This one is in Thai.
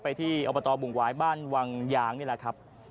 ไปที่อบุหวายบ้านวังยางนี่ล่ะครับ